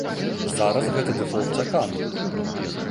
Зараз гэты дэфолт чаканы.